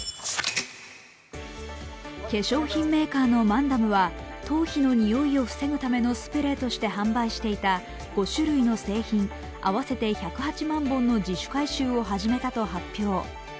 化粧品メーカーのマンダムは頭皮のにおいを防ぐためのスプレーとして販売していた５種類の製品、合わせて１０８万本の自主回収を始めたと発表。